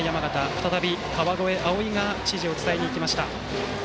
再び川越葵生が指示を伝えに行きました。